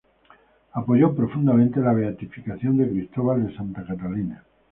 Apoyó profundamente la beatificación de Cristóbal de Santa Catalina.